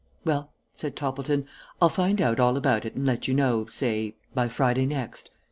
"Well," Toppleton said, "I'll find out all about it and let you know, say, by Friday next.